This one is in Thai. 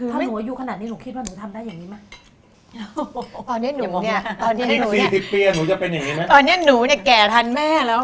ถ้าหนูอายุขนาดนี้หนูคิดว่าหนูทำได้อย่างนี้ไหม